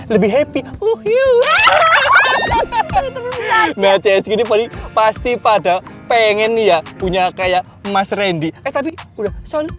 lebih happy uh yuh hahaha nah csg ini pasti pada pengen ya punya kayak mas rendy eh tapi udah